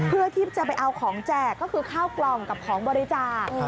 เพื่อที่จะไปเอาของแจกก็คือข้าวกล่องกับของบริจาค